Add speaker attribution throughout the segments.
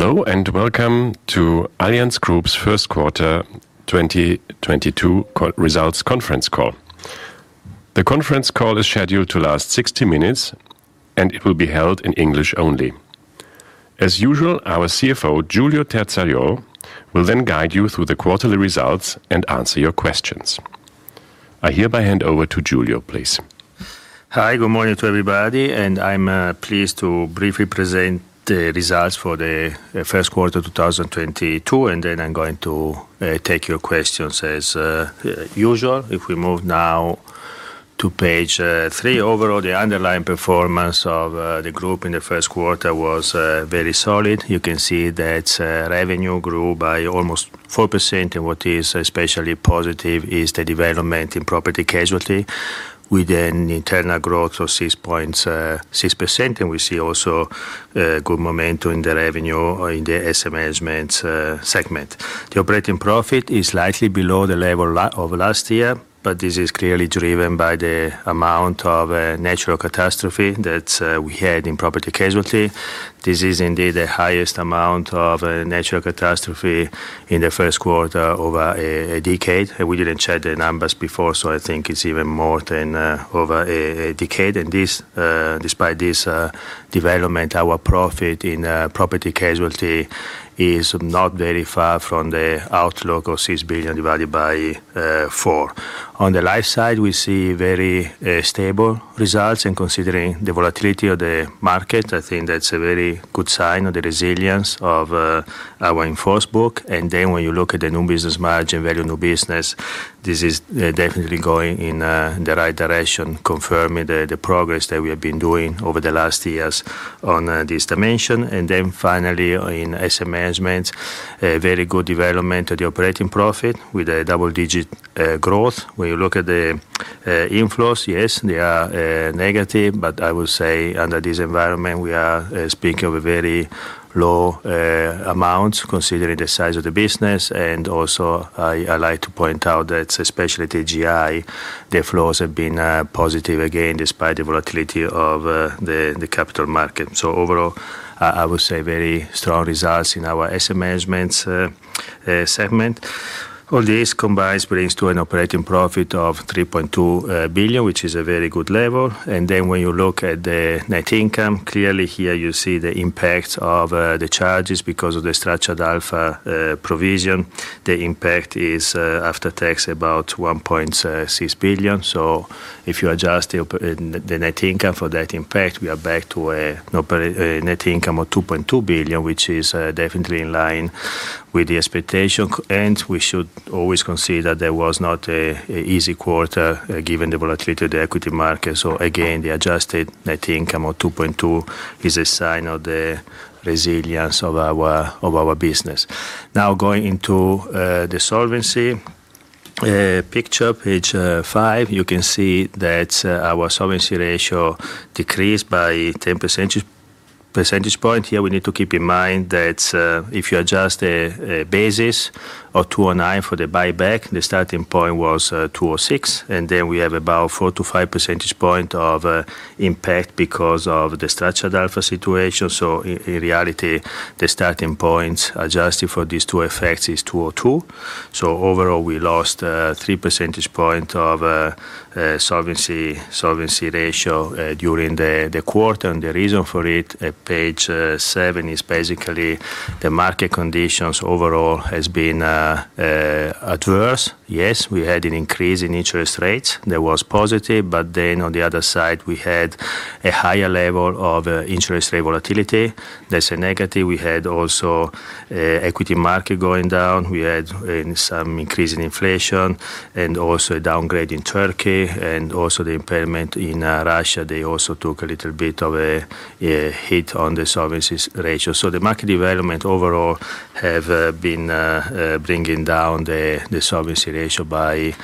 Speaker 1: Hello and welcome to Allianz Group's first quarter 2022 results conference call. The conference call is scheduled to last 60 minutes, and it will be held in English only. As usual, our CFO, Giulio Terzariol, will then guide you through the quarterly results and answer your questions. I hereby hand over to Giulio, please.
Speaker 2: Hi, good morning to everybody, and I'm pleased to briefly present the results for the first quarter 2022, and then I'm going to take your questions as usual. If we move now to page three, overall the underlying performance of the group in the first quarter was very solid. You can see that revenue grew by almost 4%, and what is especially positive is the development in Property-Casualty, with an internal growth of 6.6%, and we see also good momentum in the revenue in the Asset Management segment. The operating profit is slightly below the level of last year, but this is clearly driven by the amount of natural catastrophe that we had in Property-Casualty. This is indeed the highest amount of natural catastrophe in the first quarter over a decade, and we didn't check the numbers before, so I think it's even more than over a decade. And despite this development, our profit in property-casualty is not very far from the outlook of 6 billion divided by 4. On the life side, we see very stable results, and considering the volatility of the market, I think that's a very good sign of the resilience of our in-force book. And then when you look at the new business margin value in new business, this is definitely going in the right direction, confirming the progress that we have been doing over the last years on this dimension. And then finally, in Asset Management, very good development of the operating profit with a double-digit growth. When you look at the inflows, yes, they are negative, but I would say under this environment we are speaking of very low amounts considering the size of the business. Also, I like to point out that especially the AGI, the flows have been positive again despite the volatility of the capital market. So overall, I would say very strong results in our Asset Management segment. All this combined brings to an operating profit of 3.2 billion, which is a very good level. And then when you look at the net income, clearly here you see the impact of the charges because of the Structured Alpha provision. The impact is after tax about 1.6 billion. So if you adjust the net income for that impact, we are back to a net income of 2.2 billion, which is definitely in line with the expectation. And we should always consider that there was not an easy quarter given the volatility of the equity market. So again, the adjusted net income of 2.2 is a sign of the resilience of our business. Now going into the solvency picture, page five, you can see that our solvency ratio decreased by 10 percentage points. Here we need to keep in mind that if you adjust the basis of 209 for the buyback, the starting point was 206, and then we have about 4-5 percentage points of impact because of the Structured Alpha situation. So in reality, the starting points adjusted for these two effects is 202. So overall, we lost 3 percentage points of solvency ratio during the quarter. And the reason for it, page seven, is basically the market conditions overall have been adverse. Yes, we had an increase in interest rates that was positive, but then on the other side, we had a higher level of interest rate volatility that's a negative. We had also equity market going down. We had some increase in inflation and also a downgrade in Turkey, and also the impairment in Russia. They also took a little bit of a hit on the solvency ratio. So the market development overall has been bringing down the solvency ratio by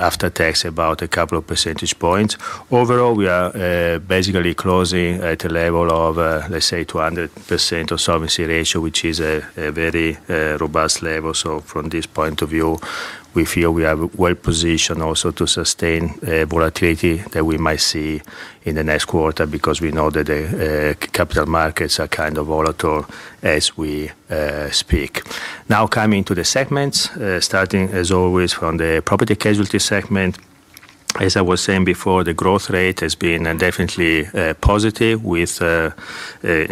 Speaker 2: after tax about a couple of percentage points. Overall, we are basically closing at a level of, let's say, 200% of solvency ratio, which is a very robust level. So from this point of view, we feel we are well positioned also to sustain volatility that we might see in the next quarter because we know that the capital markets are kind of volatile as we speak. Now coming to the segments, starting as always from the Property-Casualty segment, as I was saying before, the growth rate has been definitely positive with an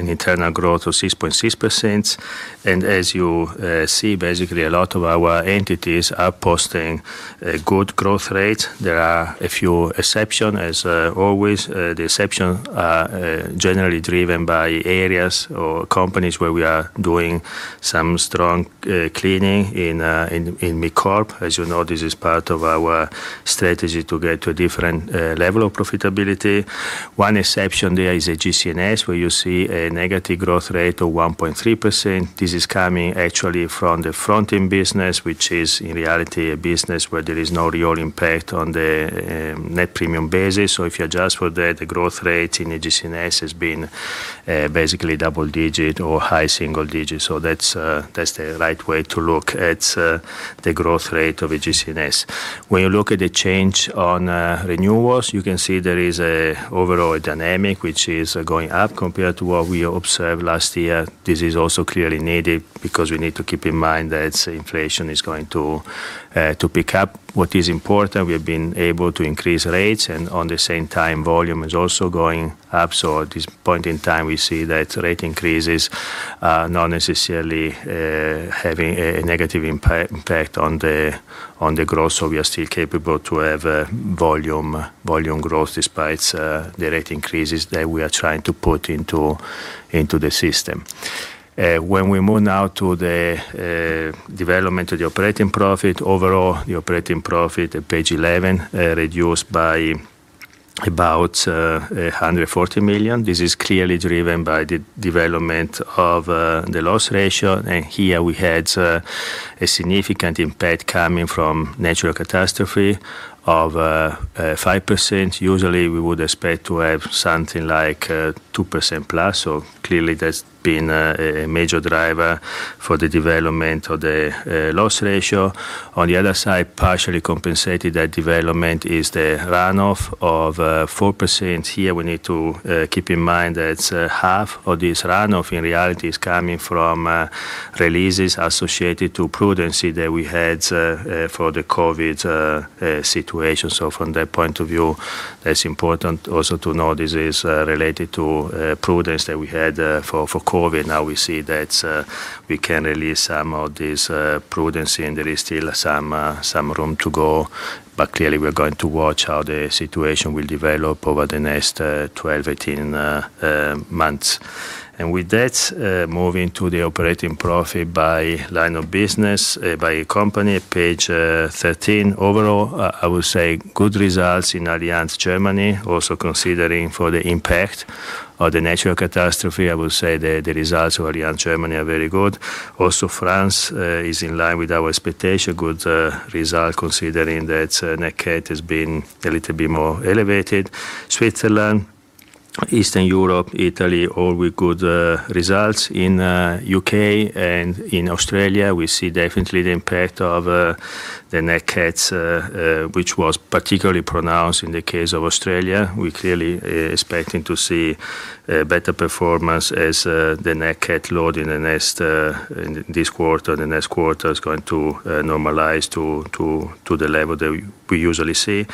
Speaker 2: internal growth of 6.6%. As you see, basically a lot of our entities are posting good growth rates. There are a few exceptions, as always. The exceptions are generally driven by areas or companies where we are doing some strong cleaning in MidCorp. As you know, this is part of our strategy to get to a different level of profitability. One exception there is AGCS where you see a negative growth rate of 1.3%. This is coming actually from the fronting business, which is in reality a business where there is no real impact on the net premium basis. So if you adjust for that, the growth rate in AGCS has been basically double-digit or high single digit. So that's the right way to look at the growth rate of AGCS. When you look at the change on renewals, you can see there is an overall dynamic which is going up compared to what we observed last year. This is also clearly needed because we need to keep in mind that inflation is going to pick up. What is important, we have been able to increase rates, and on the same time, volume is also going up. So at this point in time, we see that rate increases not necessarily have a negative impact on the growth. So we are still capable to have volume growth despite the rate increases that we are trying to put into the system. When we move now to the development of the operating profit, overall the operating profit at page 11 reduced by about 140 million. This is clearly driven by the development of the loss ratio. Here we had a significant impact coming from natural catastrophe of 5%. Usually, we would expect to have something like 2% plus, so clearly that's been a major driver for the development of the loss ratio. On the other side, partially compensated that development is the runoff of 4%. Here we need to keep in mind that half of this runoff in reality is coming from releases associated to prudence that we had for the COVID situation. So from that point of view, that's important also to know this is related to prudence that we had for COVID. Now we see that we can release some of this prudence, and there is still some room to go, but clearly we're going to watch how the situation will develop over the next 12-18 months. With that, moving to the operating profit by line of business by a company at page 13. Overall, I would say good results in Allianz Germany. Also considering for the impact of the natural catastrophe, I would say the results of Allianz Germany are very good. Also France is in line with our expectation, good result considering that Nat Cat has been a little bit more elevated. Switzerland, Eastern Europe, Italy, all with good results. In the U.K. and in Australia, we see definitely the impact of the Nat Cats, which was particularly pronounced in the case of Australia. We're clearly expecting to see better performance as the Nat Cat load in this quarter, the next quarter is going to normalize to the level that we usually see.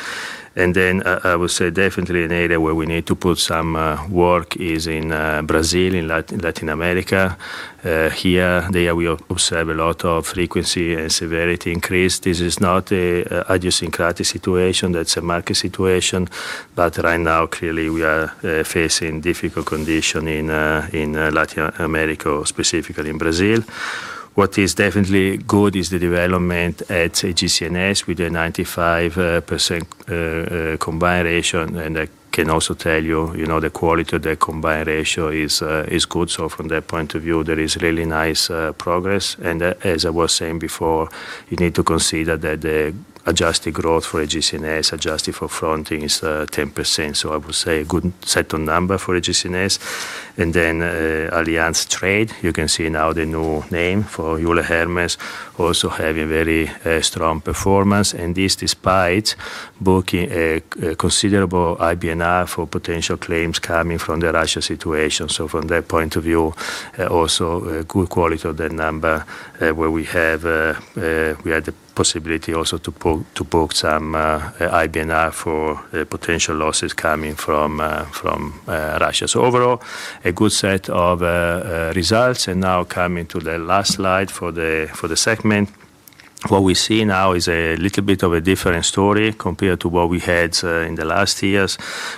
Speaker 2: Then I would say definitely an area where we need to put some work is in Brazil, in Latin America. Here we observe a lot of frequency and severity increase. This is not an idiosyncratic situation, that's a market situation, but right now clearly we are facing difficult conditions in Latin America, specifically in Brazil. What is definitely good is the development at AGCS with a 95% combined ratio, and I can also tell you the quality of the combined ratio is good, so from that point of view, there is really nice progress, and as I was saying before, you need to consider that the adjusted growth for AGCS, adjusted for fronting, is 10%. So I would say a good settled number for AGCS, and then Allianz Trade, you can see now the new name for Euler Hermes, also having very strong performance, and this despite booking a considerable IBNR for potential claims coming from the Russia situation. So from that point of view, also good quality of that number where we had the possibility also to book some IBNR for potential losses coming from Russia. So overall, a good set of results. And now coming to the last slide for the segment, what we see now is a little bit of a different story compared to what we had in the last years.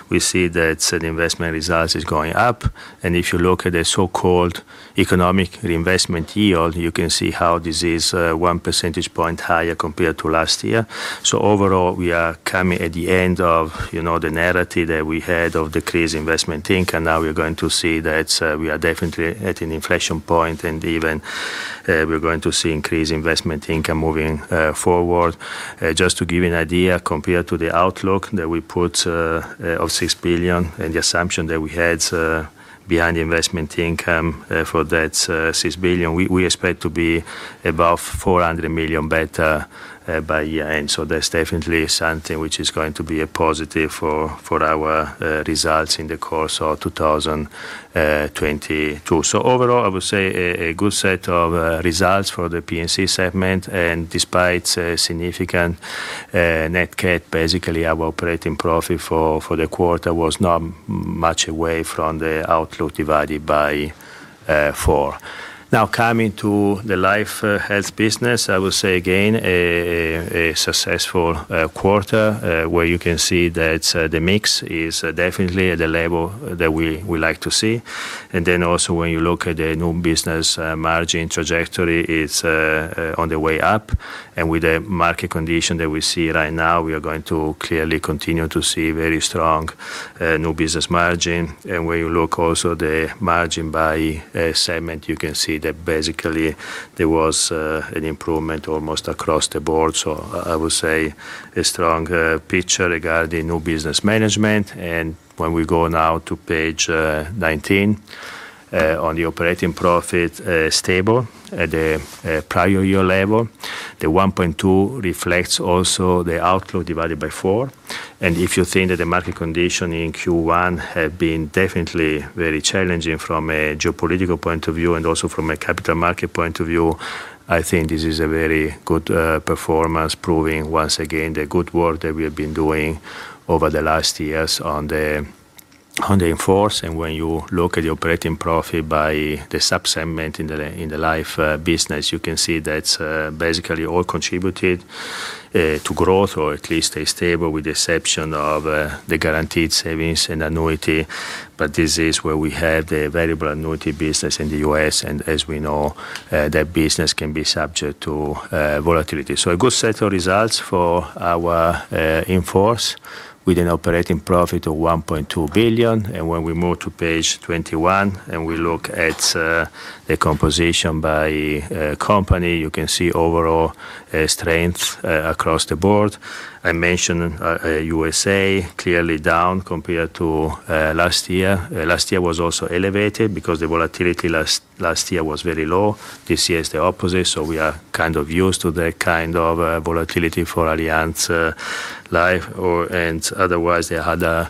Speaker 2: We see that the investment result is going up. And if you look at the so-called economic reinvestment yield, you can see how this is one percentage point higher compared to last year. So overall, we are coming at the end of the narrative that we had of decreased investment income. Now we're going to see that we are definitely at an inf point, and even we're going to see increased investment income moving forward. Just to give you an idea, compared to the outlook that we put of 6 billion and the assumption that we had behind investment income for that 6 billion, we expect to be above 400 million better by year-end, so that's definitely something which is going to be a positive for our results in the course of 2022, so overall, I would say a good set of results for the P&C segment, and despite significant Nat Cat, basically our operating profit for the quarter was not much away from the outlook divided by four. Now coming to the Life/Health business, I would say again a successful quarter where you can see that the mix is definitely at the level that we like to see, and then also when you look at the new business margin trajectory, it's on the way up. And with the market condition that we see right now, we are going to clearly continue to see very strong new business margin. And when you look also at the margin by segment, you can see that basically there was an improvement almost across the board. So I would say a strong picture regarding new business margin. And when we go now to page 19, on the operating profit stable at the prior year level, the 1.2 billion reflects also the outlook divided by 4. And if you think that the market condition in Q1 had been definitely very challenging from a geopolitical point of view and also from a capital market point of view, I think this is a very good performance proving once again the good work that we have been doing over the last years on the in-force. When you look at the operating profit by the subsegment in the life business, you can see that basically all contributed to growth or at least stable with the exception of the Guaranteed Savings & Annuity. But this is where we have the variable annuity business in the U.S. And as we know, that business can be subject to volatility. So a good set of results for our in-force with an operating profit of 1.2 billion. And when we move to page 21 and we look at the composition by company, you can see overall strength across the board. I mentioned USA, clearly down compared to last year. Last year was also elevated because the volatility last year was very low. This year is the opposite. So we are kind of used to that kind of volatility for Allianz Life. Otherwise, the other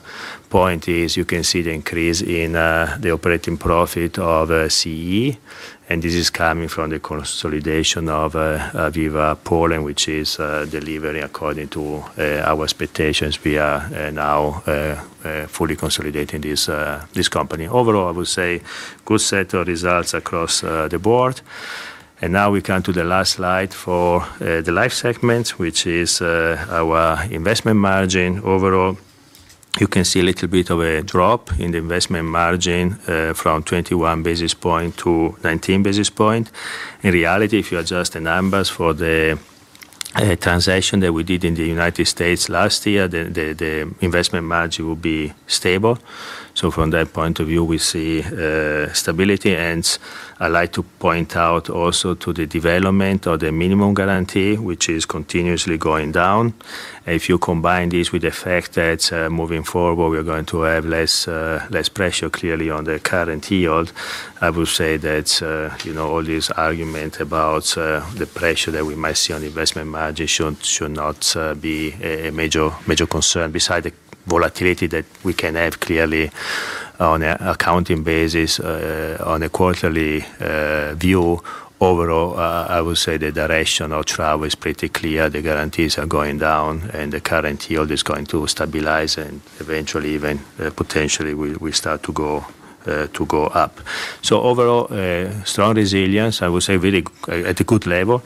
Speaker 2: point is you can see the increase in the operating profit of P&C. This is coming from the consolidation of Aviva Poland, which is delivering according to our expectations. We are now fully consolidating this company. Overall, I would say good set of results across the board. Now we come to the last slide for the life segment, which is our investment margin. Overall, you can see a little bit of a drop in the investment margin from 21 basis points to 19 basis points. In reality, if you adjust the numbers for the transaction that we did in the United States last year, the investment margin will be stable. So from that point of view, we see stability. I'd like to point out also to the development of the minimum guarantee, which is continuously going down. If you combine this with the fact that moving forward, we're going to have less pressure clearly on the current yield, I would say that all these arguments about the pressure that we might see on investment margin should not be a major concern. Besides the volatility that we can have clearly on an accounting basis on a quarterly view, overall, I would say the direction of travel is pretty clear. The guarantees are going down and the current yield is going to stabilize and eventually even potentially will start to go up. So overall, strong resilience, I would say really at a good level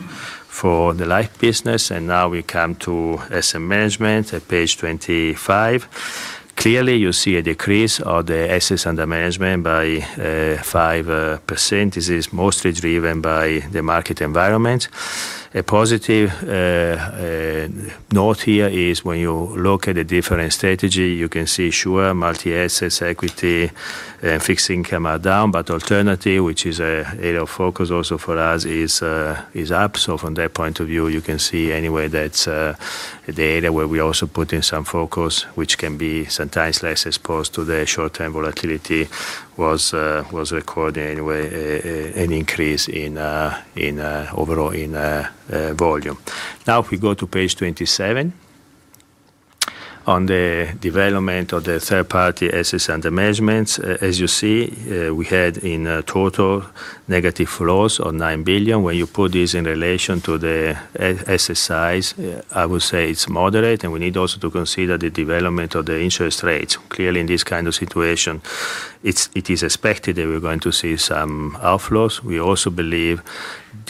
Speaker 2: for the life business. And now we come to Asset Management at page 25. Clearly, you see a decrease of the assets under management by 5%. This is mostly driven by the market environment. A positive note here is when you look at the different strategy, you can see sure multi-assets, equity, and fixed income are down, but alternative, which is an area of focus also for us, is up, so from that point of view, you can see anyway that's the area where we also put in some focus, which can be sometimes less exposed to the short-term volatility, was recording anyway an increase overall in volume. Now if we go to page 27, on the development of the third-party assets under management, as you see, we had in total negative flows of 9 billion. When you put this in relation to the asset size, I would say it's moderate, and we need also to consider the development of the interest rates. Clearly, in this kind of situation, it is expected that we're going to see some outflows. We also believe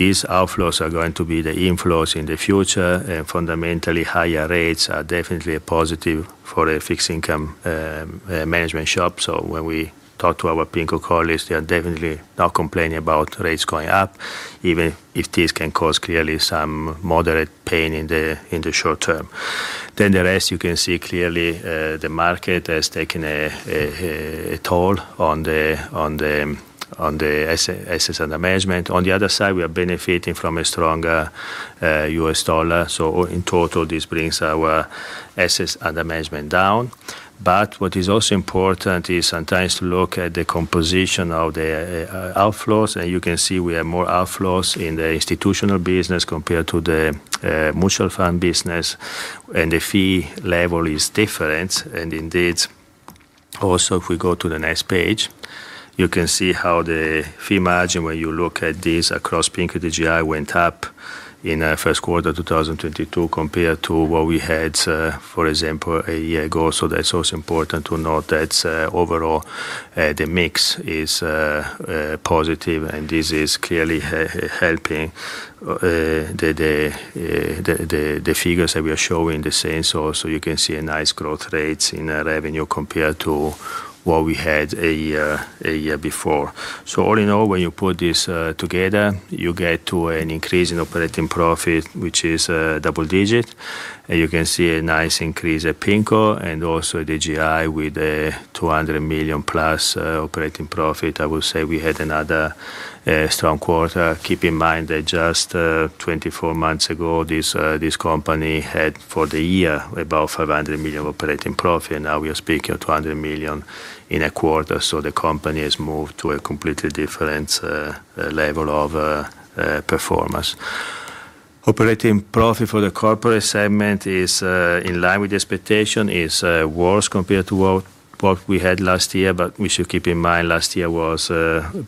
Speaker 2: these outflows are going to be the inflows in the future. And fundamentally, higher rates are definitely a positive for a fixed income management shop. So when we talk to our PIMCO colleagues, they are definitely not complaining about rates going up, even if this can cause clearly some moderate pain in the short term. Then the rest, you can see clearly the market has taken a toll on the assets under management. On the other side, we are benefiting from a stronger U.S. dollar. So in total, this brings our assets under management down. But what is also important is sometimes to look at the composition of the outflows. And you can see we have more outflows in the institutional business compared to the mutual fund business. And the fee level is different. Indeed, also if we go to the next page, you can see how the fee margin, when you look at this across PIMCO with the AGI, went up in the first quarter of 2022 compared to what we had, for example, a year ago. So that's also important to note that overall the mix is positive. And this is clearly helping the figures that we are showing in the sense. Also, you can see a nice growth rate in revenue compared to what we had a year before. So all in all, when you put this together, you get to an increase in operating profit, which is double digit. And you can see a nice increase at PIMCO and also the AGI with a 200 million plus operating profit. I would say we had another strong quarter. Keep in mind that just 24 months ago, this company had for the year about 500 million operating profit. And now we are speaking of 200 million in a quarter. So the company has moved to a completely different level of performance. Operating profit for the corporate segment is in line with the expectation, is worse compared to what we had last year. But we should keep in mind last year was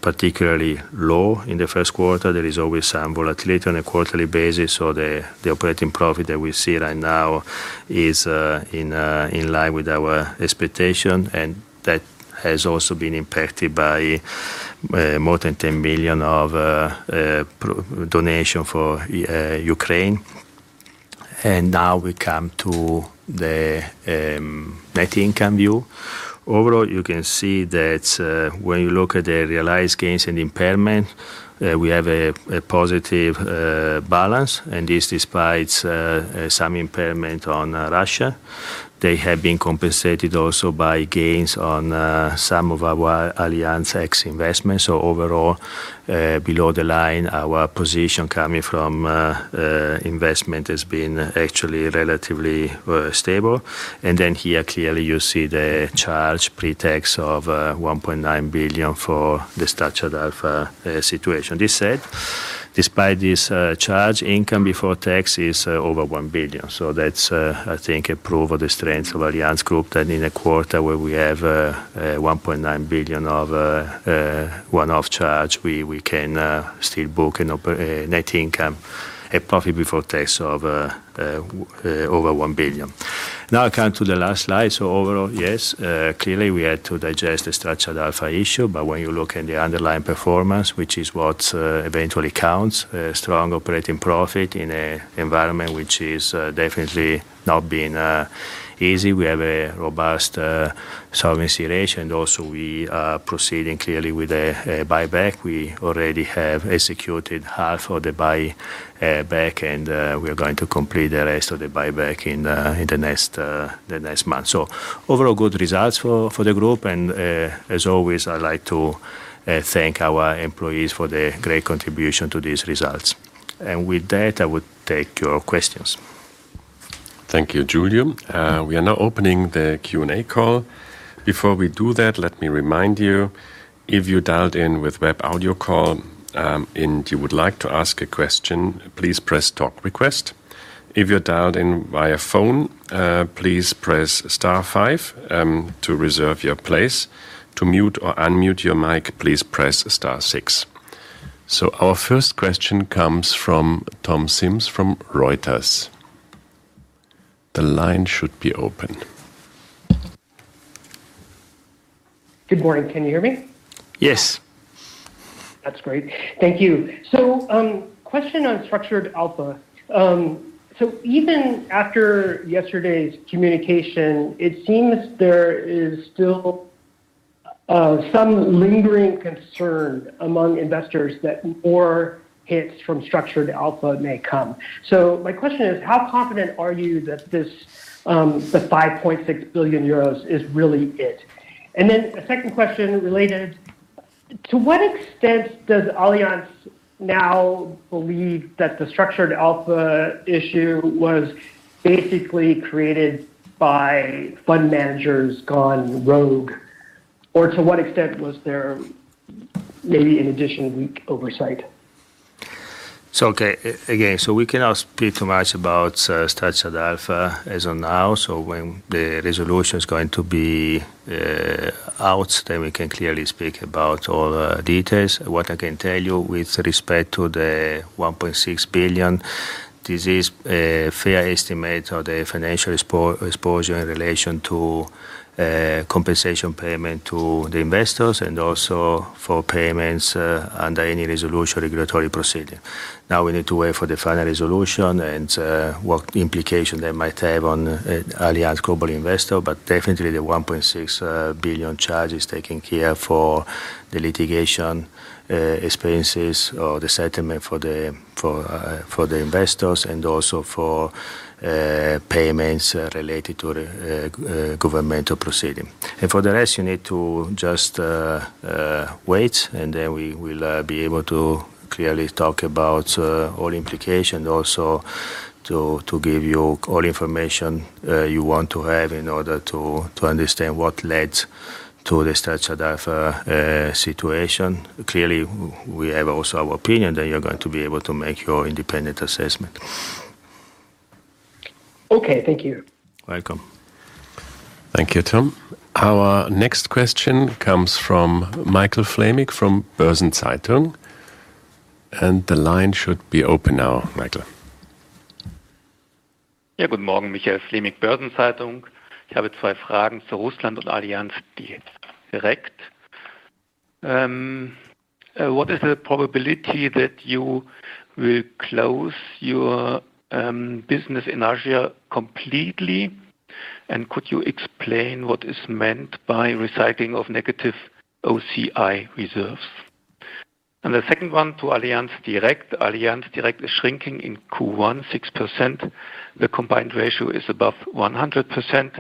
Speaker 2: particularly low in the first quarter. There is always some volatility on a quarterly basis. So the operating profit that we see right now is in line with our expectation. And that has also been impacted by more than 10 million of donation for Ukraine. And now we come to the net income view. Overall, you can see that when you look at the realized gains and impairment, we have a positive balance. This despite some impairment on Russia. They have been compensated also by gains on some of our Allianz X investments. So overall, below the line, our position coming from investment has been actually relatively stable. And then here clearly you see the pre-tax charge of 1.9 billion for the Structured Alpha situation. This said, despite this charge, income before tax is over 1 billion. So that's, I think, a proof of the strength of Allianz Group that in a quarter where we have 1.9 billion of one-off charge, we can still book net income and profit before tax of over 1 billion. Now I come to the last slide. So overall, yes, clearly we had to digest the Structured Alpha issue. But when you look at the underlying performance, which is what eventually counts, strong operating profit in an environment which is definitely not been easy. We have a robust solvency ratio, and also we are proceeding clearly with a buyback. We already have executed half of the buyback, and we are going to complete the rest of the buyback in the next month, so overall, good results for the group, and as always, I'd like to thank our employees for their great contribution to these results. And with that, I would take your questions.
Speaker 1: Thank you, Giulio. We are now opening the Q&A call. Before we do that, let me remind you, if you dialed in with web audio call and you would like to ask a question, please press talk request. If you're dialed in via phone, please press star five to reserve your place. To mute or unmute your mic, please press star six, so our first question comes from Tom Simms from Reuters. The line should be open.
Speaker 3: Good morning. Can you hear me?
Speaker 1: Yes.
Speaker 3: That's great. Thank you. So, question on Structured Alpha. So, even after yesterday's communication, it seems there is still some lingering concern among investors that more hits from Structured Alpha may come. So, my question is, how confident are you that the 5.6 billion euros is really it? And then a second question related to what extent does Allianz now believe that the Structured Alpha issue was basically created by fund managers gone rogue? Or to what extent was there maybe an additional weak oversight?
Speaker 2: So again, so we cannot speak too much about Structured Alpha as of now. So, when the resolution is going to be out, then we can clearly speak about all the details. What I can tell you with respect to the 1.6 billion, this is a fair estimate of the financial exposure in relation to compensation payment to the investors and also for payments under any resolution regulatory proceeding. Now we need to wait for the final resolution and what implication that might have on Allianz Global Investors. But definitely the 1.6 billion charge is taken care of for the litigation expenses or the settlement for the investors and also for payments related to the governmental proceeding. For the rest, you need to just wait. Then we will be able to clearly talk about all implications and also to give you all information you want to have in order to understand what led to the Structured Alpha situation. Clearly, we have also our opinion that you are going to be able to make your independent assessment.
Speaker 3: Okay, thank you. Welcome.
Speaker 1: Thank you, Tom. Our next question comes from Michael Fleming from Börsen-Zeitung. And the line should be open now, Michael.
Speaker 4: Yeah, good morning, Michael Flämig, Börsen-Zeitung. Ich habe zwei Fragen zu Russland und Allianz Direct. What is the probability that you will close your business in Russia completely? And could you explain what is meant by recycling of negative OCI reserves? And the second one to Allianz Direct. Allianz Direct is shrinking in Q1 6%. The combined ratio is above 100%.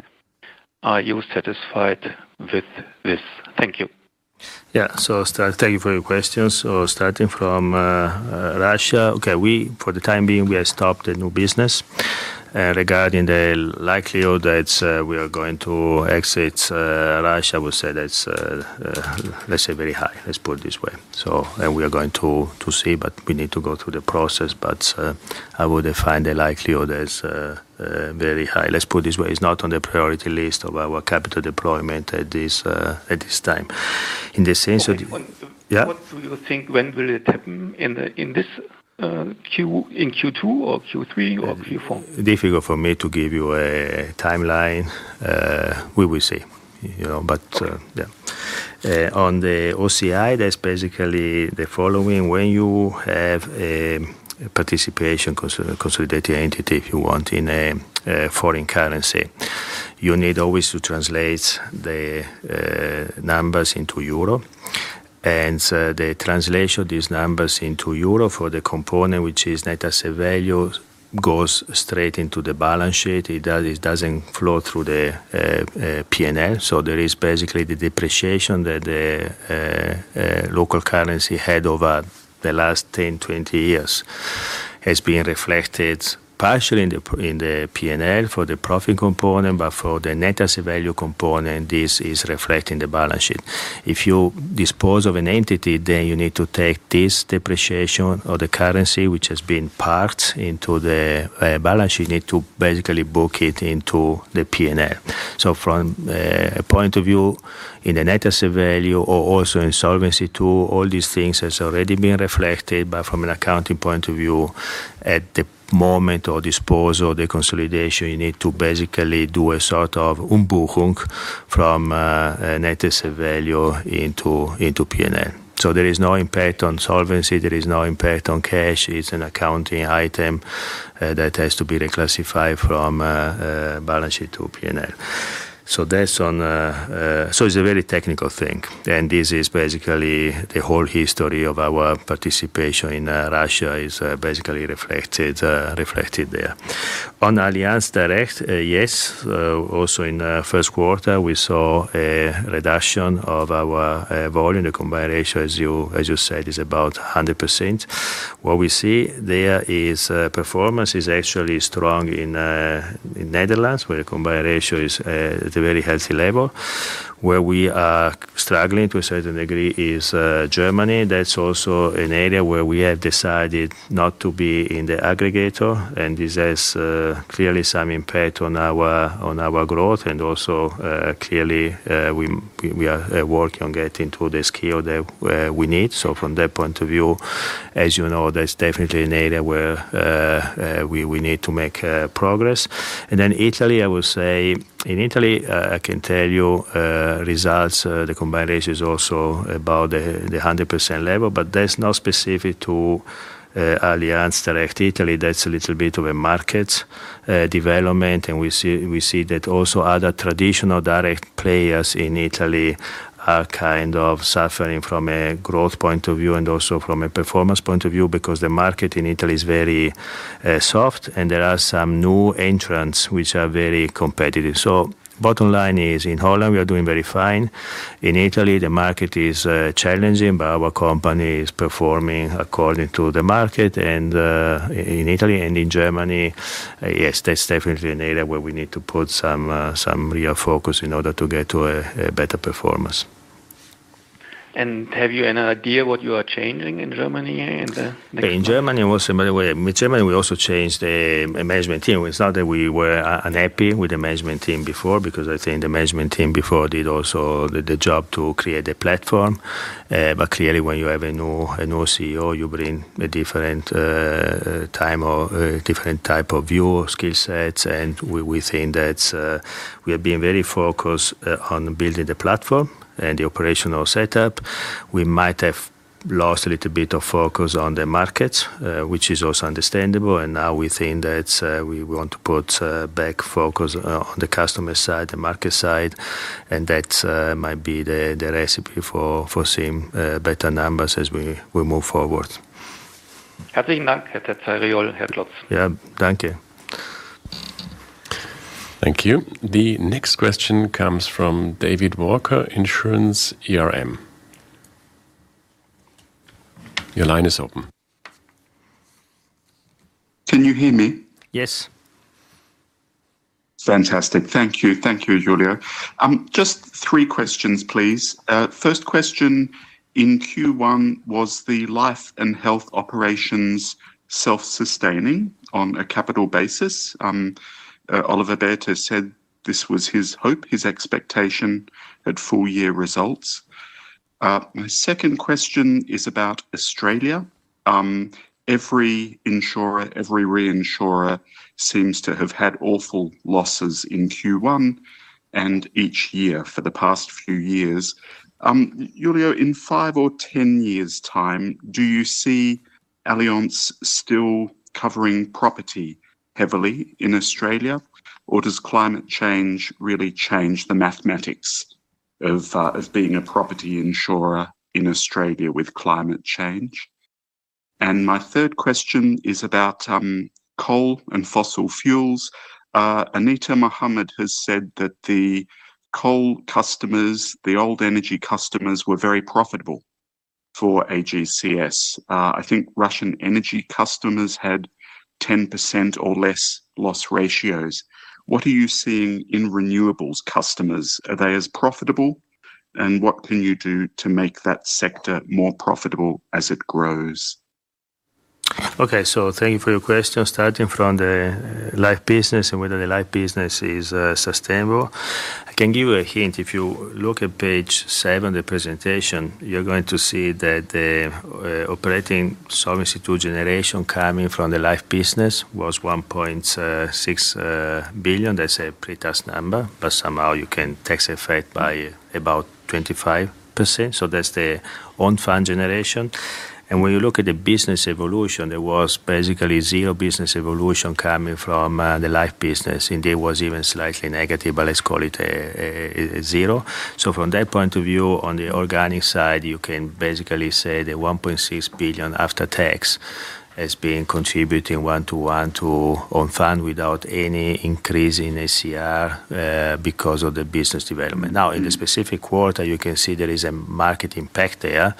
Speaker 4: Are you satisfied with this? Thank you.
Speaker 2: Yeah, so thank you for your questions. So starting from Russia, okay, for the time being, we have stopped the new business. Regarding the likelihood that we are going to exit Russia, I would say that's, let's say, very high. Let's put it this way. So we are going to see, but we need to go through the process. But I would define the likelihood as very high. Let's put it this way. It's not on the priority list of our capital deployment at this time. In this sense, yeah. What do you think, when will it happen in this Q, in Q2 or Q3 or Q4? Difficult for me to give you a timeline. We will see. But yeah, on the OCI, that's basically the following. When you have a participation consolidating entity, if you want, in a foreign currency, you need always to translate the numbers into euro. And the translation of these numbers into euro for the component, which is net asset value, goes straight into the balance sheet. It doesn't flow through the P&L. So there is basically the depreciation that the local currency had over the last 10, 20 years has been reflected partially in the P&L for the profit component. But for the net asset value component, this is reflecting the balance sheet. If you dispose of an entity, then you need to take this depreciation of the currency, which has been parked into the balance sheet, need to basically book it into the P&L. So from a point of view, in the net asset value or also in solvency II, all these things have already been reflected. But from an accounting point of view, at the moment of disposal of the consolidation, you need to basically do a sort of Umbuchung from net asset value into P&L. So there is no impact on solvency. There is no impact on cash. It's an accounting item that has to be reclassified from balance sheet to P&L. So that's on, so it's a very technical thing. And this is basically the whole history of our participation in Russia is basically reflected there. On Allianz Direct, yes. Also in the first quarter, we saw a reduction of our volume. The combined ratio, as you said, is about 100%. What we see there is performance is actually strong in the Netherlands, where the combined ratio is at a very healthy level. Where we are struggling to a certain degree is Germany. That's also an area where we have decided not to be in the aggregator. And this has clearly some impact on our growth. And also clearly, we are working on getting to the scale that we need. So from that point of view, as you know, that's definitely an area where we need to make progress. And then Italy. I will say, in Italy, I can tell you results, the combined ratio is also about the 100% level. But that's not specific to Allianz Direct Italy. That's a little bit of a market development. And we see that also other traditional direct players in Italy are kind of suffering from a growth point of view and also from a performance point of view because the market in Italy is very soft. And there are some new entrants which are very competitive. So bottom line is in Holland, we are doing very fine. In Italy, the market is challenging, but our company is performing according to the market in Italy and in Germany. Yes, that's definitely an area where we need to put some real focus in order to get to a better performance. And have you an idea what you are changing in Germany in the next year? In Germany, we also changed the management team. It's not that we were unhappy with the management team before because I think the management team before did also the job to create the platform. But clearly, when you have a new CEO, you bring a different time or different type of view or skill sets. And we think that we have been very focused on building the platform and the operational setup. We might have lost a little bit of focus on the markets, which is also understandable. And now we think that we want to put back focus on the customer side, the market side. And that might be the recipe for seeing better numbers as we move forward.
Speaker 4: Herzlichen Dank, Herr Terzariol, Herr Klotz. Yeah, thank you.
Speaker 1: Thank you. The next question comes from David Walker, Insurance Insider. Your line is open. Can you hear me? Yes.
Speaker 5: Fantastic. Thank you. Thank you, Giulio. Just three questions, please. First question, in Q1, was the life and health operations self-sustaining on a capital basis? Oliver Bäte said this was his hope, his expectation at full year results. My second question is about Australia. Every insurer, every reinsurer seems to have had awful losses in Q1 and each year for the past few years. Giulio, in five or 10 years' time, do you see Allianz still covering property heavily in Australia? Or does climate change really change the mathematics of being a property insurer in Australia with climate change? And my third question is about coal and fossil fuels. Anita Muhammad has said that the coal customers, the old energy customers, were very profitable for AGCS. I think Russian energy customers had 10% or less loss ratios. What are you seeing in renewables customers? Are they as profitable? What can you do to make that sector more profitable as it grows?
Speaker 2: Okay, so thank you for your question. Starting from the life business and whether the life business is sustainable. I can give you a hint. If you look at page seven of the presentation, you're going to see that the operating profit generation coming from the life business was 1.6 billion. That's a pretty tough number. Somehow you can tax effect by about 25%. That's the operating profit generation. When you look at the business evolution, there was basically zero business evolution coming from the life business. Indeed, it was even slightly negative, but let's call it zero. From that point of view, on the organic side, you can basically say the 1.6 billion after tax has been contributing one to one to income without any increase in ACR because of the business development. Now, in the specific quarter, you can see there is a market impact there.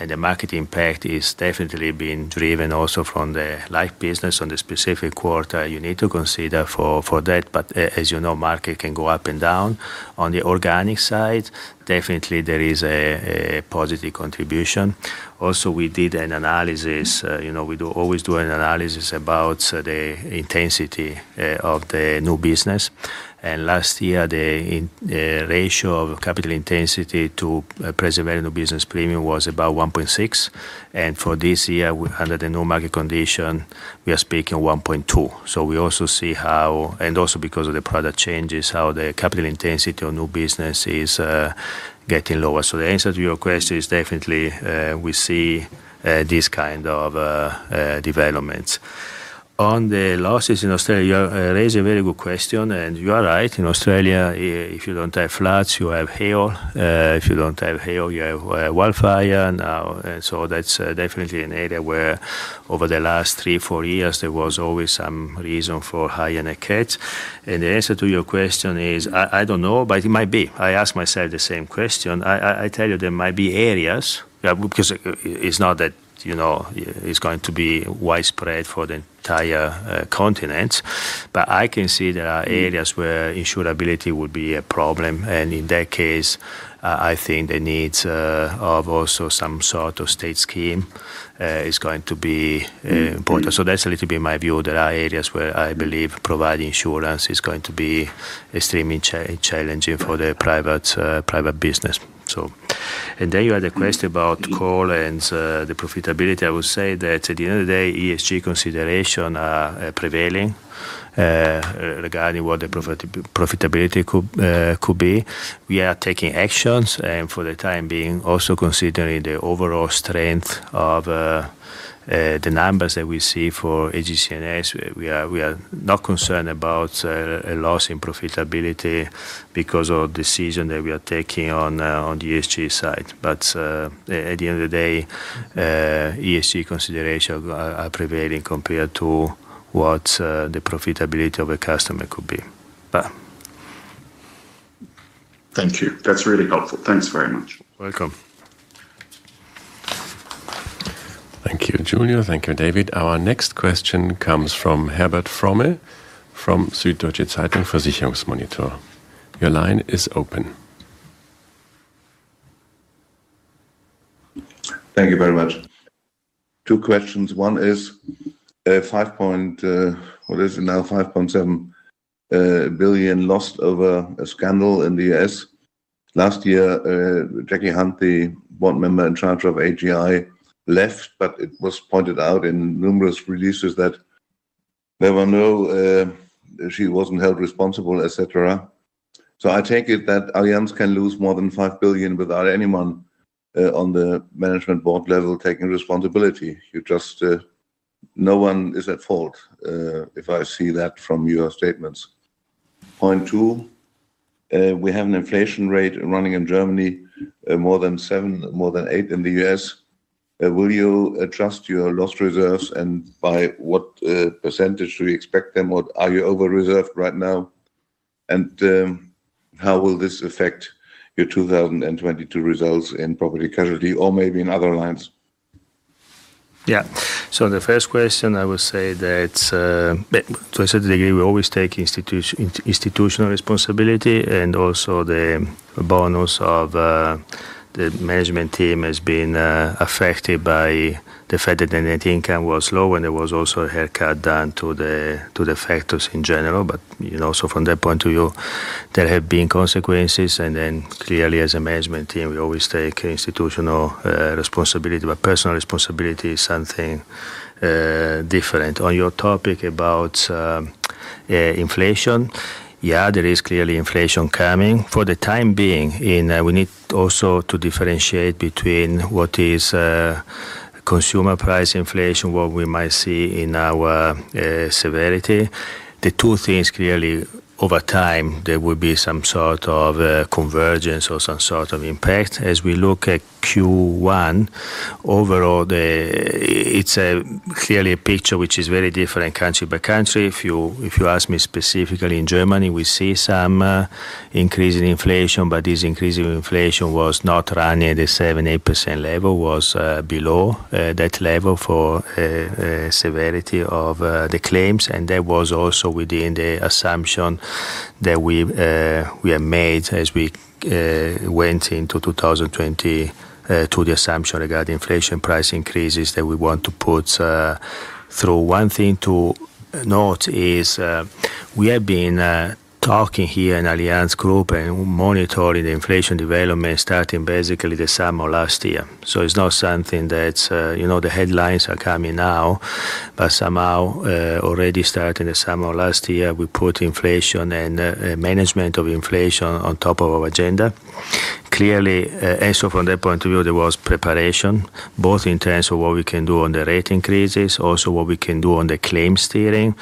Speaker 2: And the market impact is definitely being driven also from the life business on the specific quarter you need to consider for that. But as you know, market can go up and down. On the organic side, definitely there is a positive contribution. Also, we did an analysis. We always do an analysis about the intensity of the new business. And last year, the ratio of capital intensity to present value of new business premium was about 1.6. And for this year, under the new market condition, we are speaking 1.2. We also see how, and also because of the product changes, how the capital intensity of new business is getting lower. The answer to your question is definitely we see this kind of development. On the losses in Australia, you raise a very good question. You are right. In Australia, if you don't have floods, you have hail. If you don't have hail, you have wildfire. That's definitely an area where over the last three, four years, there was always some reason for higher Nat Cat. The answer to your question is, I don't know, but it might be. I ask myself the same question. I tell you there might be areas because it's not that it's going to be widespread for the entire continent. But I can see there are areas where insurability would be a problem. And in that case, I think the needs of also some sort of state scheme is going to be important. So that's a little bit my view that are areas where I believe providing insurance is going to be extremely challenging for the private business. And then you had a question about coal and the profitability. I would say that at the end of the day, ESG considerations are prevailing regarding what the profitability could be. We are taking actions and for the time being also considering the overall strength of the numbers that we see for AGCS. We are not concerned about a loss in profitability because of the decision that we are taking on the ESG side. But at the end of the day, ESG considerations are prevailing compared to what the profitability of a customer could be.
Speaker 5: Thank you. That's really helpful. Thanks very much.
Speaker 2: Welcome.
Speaker 1: Thank you, Giulio. Thank you, David. Our next question comes from Herbert Fromme from Süddeutsche Zeitung Versicherungsmonitor. Your line is open.
Speaker 6: Thank you very much. Two questions. One is $5.7 billion lost over a scandal in the US. Last year, Jackie Hunt, the board member in charge of AGI, left, but it was pointed out in numerous releases that there were no, she wasn't held responsible, etc. So I take it that Allianz can lose more than $5 billion without anyone on the management board level taking responsibility. No one is at fault if I see that from your statements. Point two, we have an inflation rate running in Germany more than 7%, more than 8% in the US. Will you adjust your loss reserves and by what percentage do you expect them? Are you over-reserved right now? And how will this affect your 2022 results in property casualty or maybe in other lines?
Speaker 2: Yeah. So the first question, I would say that to a certain degree, we always take institutional responsibility. And also the bonus of the management team has been affected by the fact that the net income was low. And there was also a haircut done to the factors in general. But also from that point of view, there have been consequences. And then clearly, as a management team, we always take institutional responsibility. But personal responsibility is something different. On your topic about inflation, yeah, there is clearly inflation coming. For the time being, we need also to differentiate between what is consumer price inflation, what we might see in our severity. The two things clearly over time, there will be some sort of convergence or some sort of impact. As we look at Q1, overall, it's clearly a picture which is very different country by country. If you ask me specifically in Germany, we see some increase in inflation, but this increase in inflation was not running at the 7%-8% level, was below that level for severity of the claims. And that was also within the assumption that we have made as we went into 2020 to the assumption regarding inflation price increases that we want to put through. One thing to note is we have been talking here in Allianz Group and monitoring the inflation development starting basically the summer last year. So it's not something that the headlines are coming now, but somehow already starting the summer last year, we put inflation and management of inflation on top of our agenda. Clearly, also from that point of view, there was preparation both in terms of what we can do on the rate increases, also what we can do on the claim steering.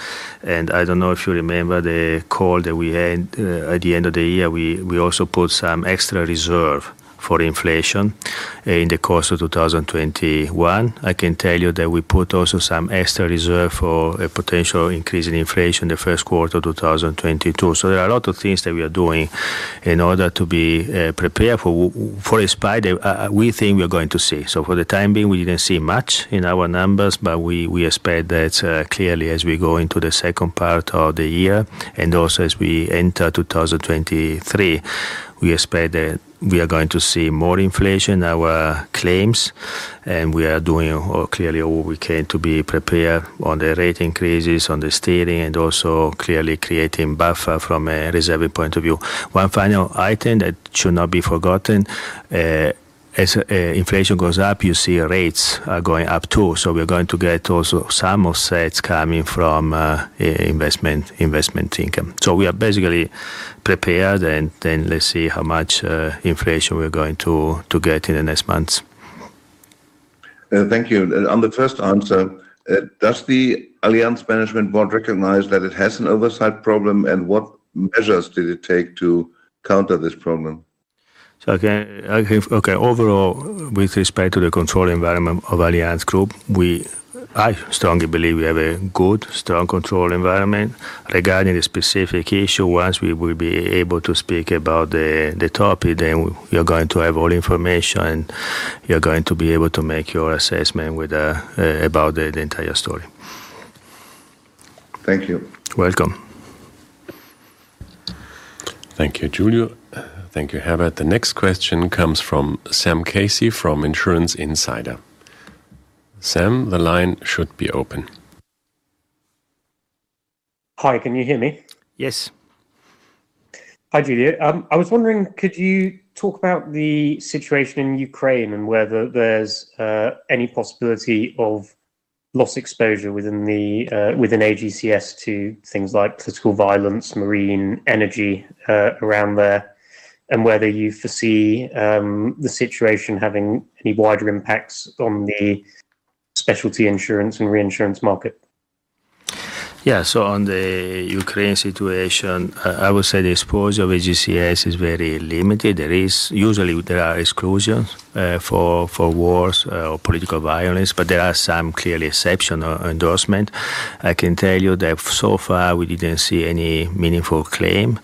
Speaker 2: And I don't know if you remember the call that we had at the end of the year, we also put some extra reserve for inflation in the course of 2021. I can tell you that we put also some extra reserve for a potential increase in inflation in the first quarter of 2022. So there are a lot of things that we are doing in order to be prepared for, we think we're going to see. So for the time being, we didn't see much in our numbers, but we expect that clearly as we go into the second part of the year and also as we enter 2023, we expect that we are going to see more inflation in our claims. And we are doing clearly all we can to be prepared on the rate increases, on the steering, and also clearly creating buffer from a reserve point of view. One final item that should not be forgotten, as inflation goes up, you see rates are going up too. So we're going to get also some offsets coming from investment income. So we are basically prepared, and then let's see how much inflation we're going to get in the next months.
Speaker 6: Thank you. On the first answer, does the Allianz Management Board recognize that it has an oversight problem?
Speaker 2: And what measures did it take to counter this problem? So okay, overall, with respect to the control environment of Allianz Group, I strongly believe we have a good, strong control environment. Regarding the specific issue, once we will be able to speak about the topic, then you're going to have all information, and you're going to be able to make your assessment about the entire story.
Speaker 6: Thank you.
Speaker 2: Welcome.
Speaker 1: Thank you, Giulio. Thank you, Herbert. The next question comes from Sam Casey from Insurance Insider. Sam, the line should be open.
Speaker 7: Hi, can you hear me?
Speaker 2: Yes.
Speaker 7: Hi, Giulio. I was wondering, could you talk about the situation in Ukraine and whether there's any possibility of loss exposure within AGCS to things like political violence, marine energy around there, and whether you foresee the situation having any wider impacts on the specialty insurance and reinsurance market?
Speaker 2: Yeah, so on the Ukraine situation, I would say the exposure of AGCS is very limited. There are usually exclusions for wars or political violence, but there are some clearly exceptional endorsements. I can tell you that so far we didn't see any meaningful claim,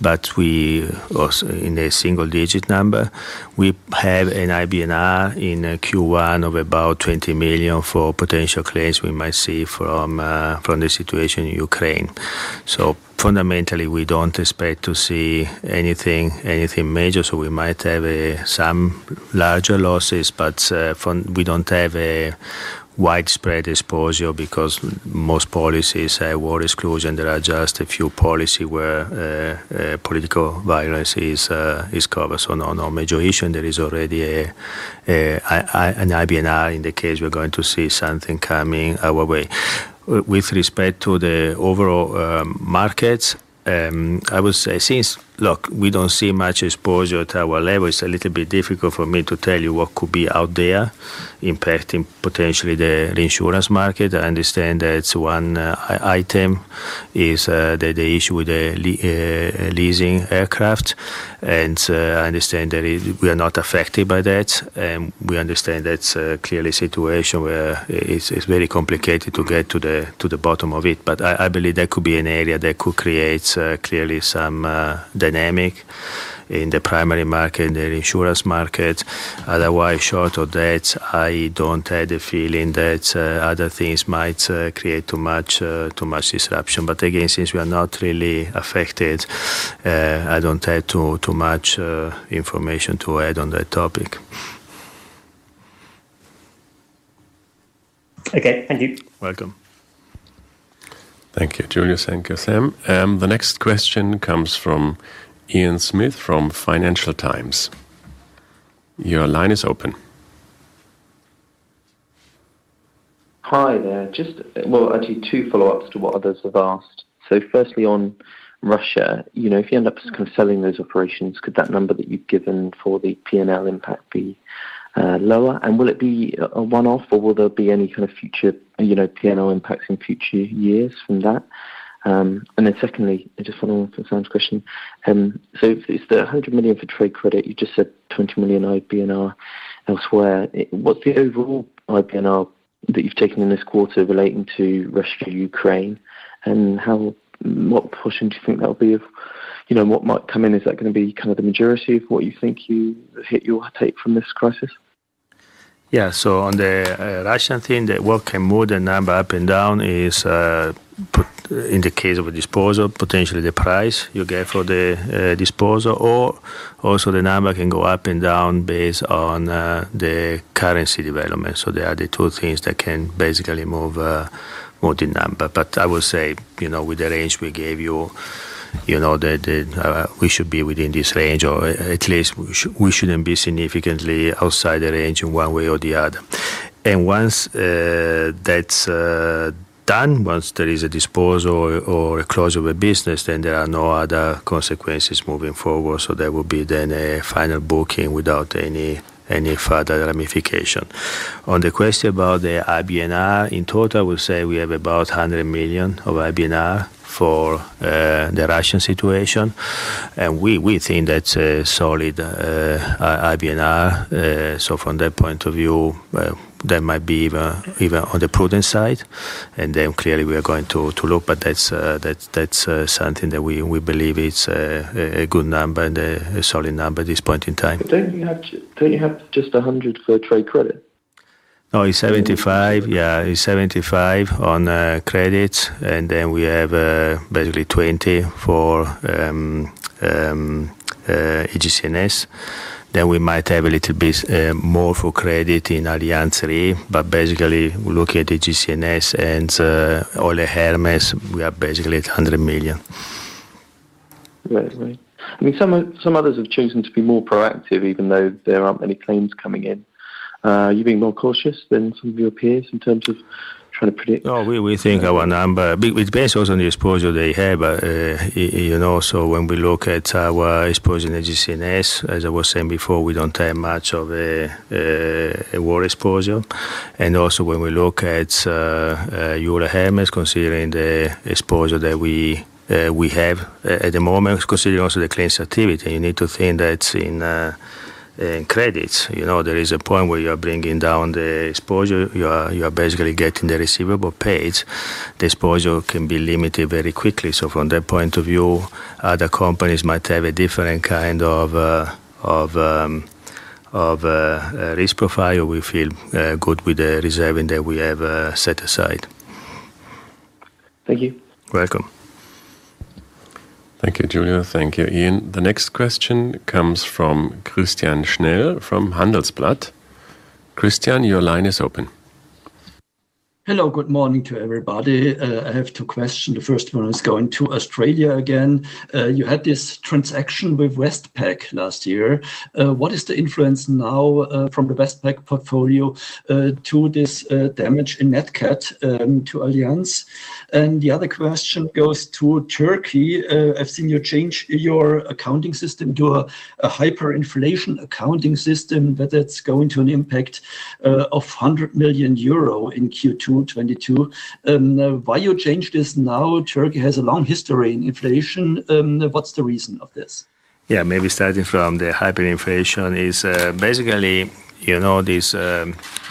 Speaker 2: but we are in a single-digit number. We have an IBNR in Q1 of about 20 million for potential claims we might see from the situation in Ukraine. So fundamentally, we don't expect to see anything major. So we might have some larger losses, but we don't have a widespread exposure because most policies have war exclusion. There are just a few policies where political violence is covered. So no major issue. There is already an IBNR in the case we're going to see something coming our way. With respect to the overall markets, I would say since, look, we don't see much exposure at our level, it's a little bit difficult for me to tell you what could be out there impacting potentially the reinsurance market. I understand that one item is the issue with the leasing aircraft. And I understand that we are not affected by that. And we understand that's clearly a situation where it's very complicated to get to the bottom of it. But I believe that could be an area that could create clearly some dynamic in the primary market, in the reinsurance market. Otherwise, short of that, I don't have the feeling that other things might create too much disruption. But again, since we are not really affected, I don't have too much information to add on that topic.
Speaker 7: Okay, thank you.
Speaker 2: Welcome.
Speaker 1: Thank you, Giulio. Thank you, Sam. The next question comes from Ian Smith from Financial Times. Your line is open.
Speaker 8: Hi there. Just, well, actually two follow-ups to what others have asked. So firstly, on Russia, if you end up kind of selling those operations, could that number that you've given for the P&L impact be lower? And will it be a one-off, or will there be any kind of future P&L impacts in future years from that? And then secondly, I just want to ask the same question. So it's the 100 million for trade credit. You just said 20 million IBNR elsewhere. What's the overall IBNR that you've taken in this quarter relating to Russia, Ukraine? And what portion do you think that will be of what might come in? Is that going to be kind of the majority of what you think you hit your take from this crisis?
Speaker 2: Yeah, so on the Russian thing, that's what can move the number up and down is in the case of a disposal, potentially the price you get for the disposal. Or also the number can go up and down based on the currency development. So there are the two things that can basically move the number. But I would say with the range we gave you, we should be within this range, or at least we shouldn't be significantly outside the range in one way or the other. Once that's done, once there is a disposal or a close of a business, then there are no other consequences moving forward. So there will be then a final booking without any further ramification. On the question about the IBNR, in total, I would say we have about 100 million of IBNR for the Russian situation. We think that's a solid IBNR. From that point of view, that might be even on the prudent side. Clearly we are going to look. That's something that we believe it's a good number and a solid number at this point in time. Don't you have just 100 million for trade credit? No, it's 75 million. Yeah, it's 75 million on credits. Then we have basically 20 million for AGCS. We might have a little bit more for credit in Allianz Trade. Basically, looking at AGCS and Euler Hermes, we are basically at 100 million. Right, right. I mean, some others have chosen to be more proactive, even though there aren't many claims coming in. You being more cautious than some of your peers in terms of trying to predict? No, we think our number, it's based also on the exposure they have. So when we look at our exposure in AGCS, as I was saying before, we don't have much of a war exposure. And also when we look at Euler Hermes, considering the exposure that we have at the moment, considering also the claims activity, you need to think that in credits, there is a point where you are bringing down the exposure. You are basically getting the receivable paid. The exposure can be limited very quickly. So from that point of view, other companies might have a different kind of risk profile. We feel good with the reserving that we have set aside.
Speaker 8: Thank you.
Speaker 2: Welcome.
Speaker 1: Thank you, Giulio. Thank you, Ian. The next question comes from Christian Schnell from Handelsblatt. Christian, your line is open.
Speaker 9: Hello, good morning to everybody. I have two questions. The first one is going to Australia again. You had this transaction with Westpac last year. What is the influence now from the Westpac portfolio to this damage in Nat Cat to Allianz? And the other question goes to Turkey. I've seen you change your accounting system to a hyperinflation accounting system, but that's going to an impact of 100 million euro in Q2 2022. Why you changed this now? Turkey has a long history in inflation. What's the reason of this?
Speaker 2: Yeah, maybe starting from the hyperinflation is basically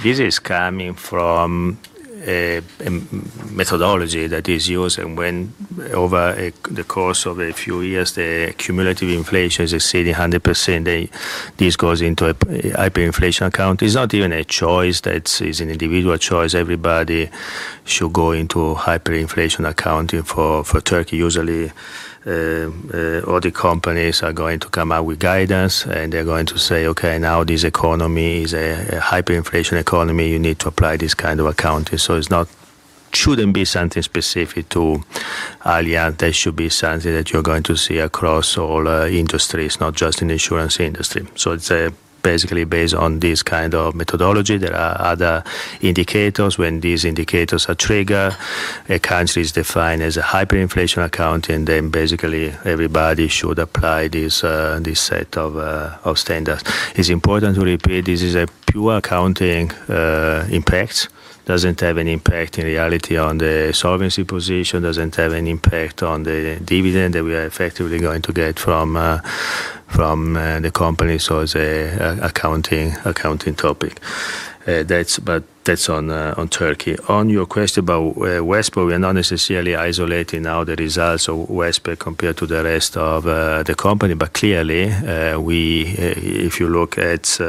Speaker 2: this is coming from a methodology that is used. And when over the course of a few years, the cumulative inflation is exceeding 100%, this goes into a hyperinflation account. It's not even a choice. That is an individual choice. Everybody should go into hyperinflation accounting for Turkey. Usually, all the companies are going to come out with guidance, and they're going to say, "Okay, now this economy is a hyperinflationary economy. You need to apply this kind of accounting." So it shouldn't be something specific to Allianz. There should be something that you're going to see across all industries, not just in the insurance industry. So it's basically based on this kind of methodology. There are other indicators. When these indicators are triggered, a country is defined as a hyperinflationary economy, and then basically everybody should apply this set of standards. It's important to repeat. This is a pure accounting impact. Doesn't have an impact in reality on the solvency position. Doesn't have an impact on the dividend that we are effectively going to get from the company. So it's an accounting topic. But that's on Turkey. On your question about Westpac, we are not necessarily isolating now the results of Westpac compared to the rest of the company, but clearly, if you look at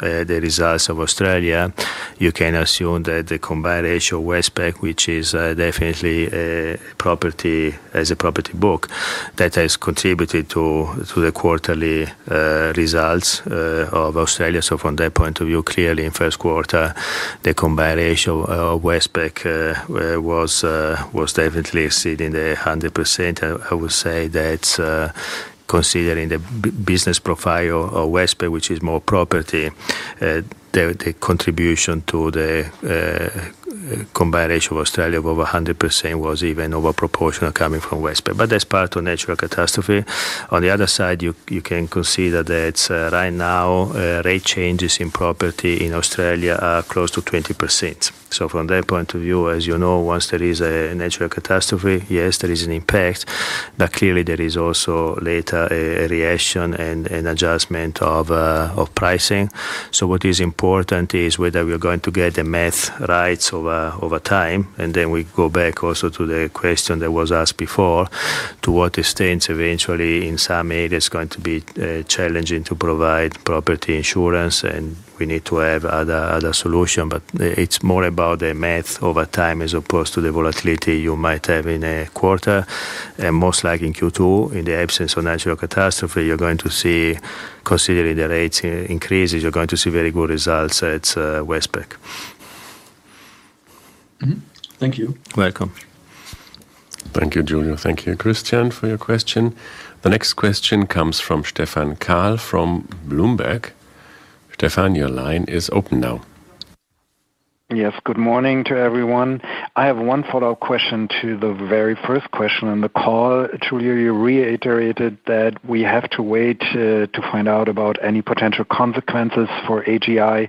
Speaker 2: the results of Australia, you can assume that the combined ratio of Westpac, which is definitely as a property book, that has contributed to the quarterly results of Australia, so from that point of view, clearly in first quarter, the combined ratio of Westpac was definitely exceeding the 100%. I would say that considering the business profile of Westpac, which is more property, the contribution to the combined ratio of Australia of over 100% was even overproportional coming from Westpac, but that's part of natural catastrophe. On the other side, you can consider that right now, rate changes in property in Australia are close to 20%. So from that point of view, as you know, once there is a natural catastrophe, yes, there is an impact. But clearly, there is also later a reaction and adjustment of pricing. So what is important is whether we're going to get the math right over time. And then we go back also to the question that was asked before, to what extent eventually in some areas it's going to be challenging to provide property insurance, and we need to have other solutions. But it's more about the math over time as opposed to the volatility you might have in a quarter. And most likely in Q2, in the absence of natural catastrophe, you're going to see, considering the rates increase, you're going to see very good results at Westpac.
Speaker 9: Thank you.
Speaker 2: Welcome.
Speaker 1: Thank you, Giulio. Thank you, Christian, for your question. The next question comes from Stephan Kahl from Bloomberg. Stefan, your line is open now.
Speaker 10: Yes, good morning to everyone. I have one follow-up question to the very first question in the call. Giulio, you reiterated that we have to wait to find out about any potential consequences for AGI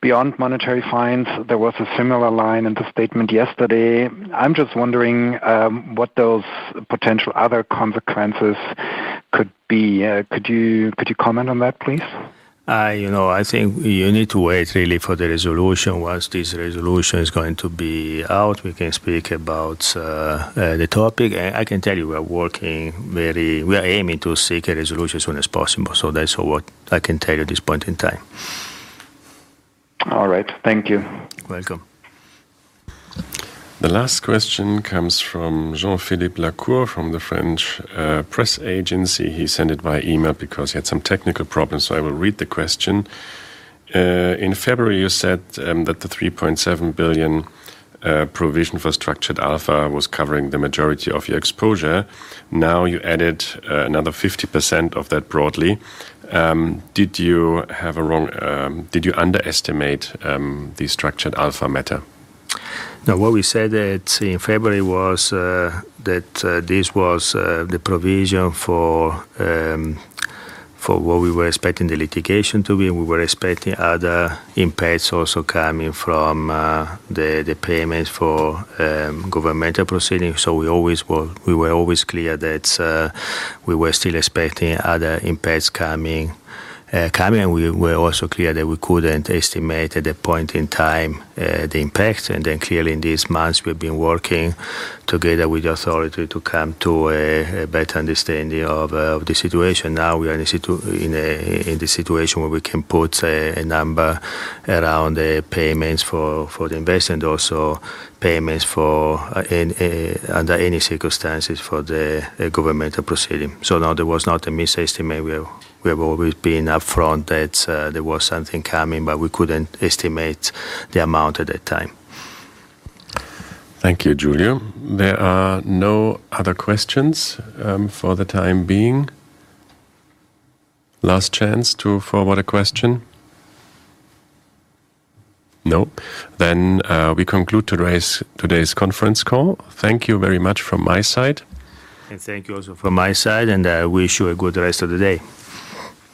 Speaker 10: beyond monetary fines. There was a similar line in the statement yesterday. I'm just wondering what those potential other consequences could be. Could you comment on that, please?
Speaker 2: I think you need to wait really for the resolution. Once this resolution is going to be out, we can speak about the topic. And I can tell you, we are working very—we are aiming to seek a resolution as soon as possible. So that's what I can tell you at this point in time.
Speaker 10: All right. Thank you.
Speaker 2: Welcome.
Speaker 1: The last question comes from Jean-Philippe Lacour from the French press agency. He sent it by email because he had some technical problems. I will read the question. In February, you said that the 3.7 billion provision for Structured Alpha was covering the majority of your exposure. Now you added another 50% of that broadly. Did you underestimate the Structured Alpha matter?
Speaker 2: No, what we said in February was that this was the provision for what we were expecting the litigation to be. We were expecting other impacts also coming from the payments for governmental proceedings. So we were always clear that we were still expecting other impacts coming. And we were also clear that we couldn't estimate at the point in time the impact. And then clearly, in these months, we've been working together with the authority to come to a better understanding of the situation. Now we are in the situation where we can put a number around the payments for the investment, also payments under any circumstances for the governmental proceeding. So no, there was not a misestimate. We have always been upfront that there was something coming, but we couldn't estimate the amount at that time.
Speaker 1: Thank you, Giulio. There are no other questions for the time being. Last chance to forward a question. No. Then we conclude today's conference call. Thank you very much from my side.
Speaker 2: And thank you also from my side. And I wish you a good rest of the day.